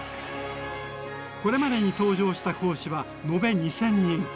これまでに登場した講師は延べ２，０００人。